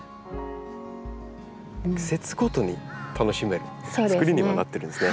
季節ごとに楽しめるつくりにもなってるんですね。